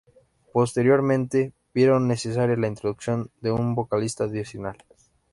Posteriormente vieron necesaria la introducción de un vocalista adicional.